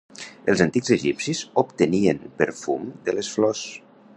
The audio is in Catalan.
Els antics egipcis obtenien perfum de les flors.